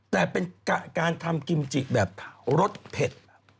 แต่เป็นการทำกิมจิแบบรสเผ็ด